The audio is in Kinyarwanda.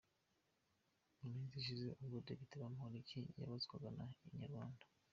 Mu minsi ishize ubwo Depite Bamporiki yabazwaga na Inyarwanda.